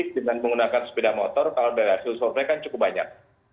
dengan menggunakan sepeda motor kalau dari hasil survei kan cukup banyak